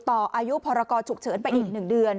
ต่ออายุพรกรฉุกเฉินไปอีก๑เดือน